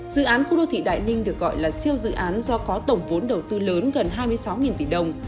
dự án khu đô thị đại ninh được gọi là siêu dự án do có tổng vốn đầu tư lớn gần hai mươi sáu tỷ đồng